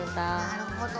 なるほど。